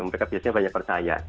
mereka biasanya banyak percaya